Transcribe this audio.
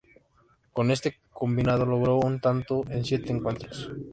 Con este combinado logró un tanto en siete encuentros.